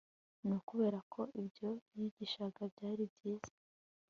ni ukubera ko ibyo yigishaga byari byiza